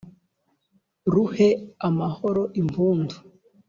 Ruhe amahoro impundu.